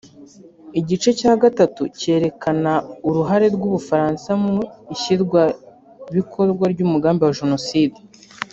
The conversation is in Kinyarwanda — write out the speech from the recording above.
Igice cya gatatu cyerekana uruhare rw’u Bufaransa mu ishyirwa mu bikorwa ry’umugambi wa Jenoside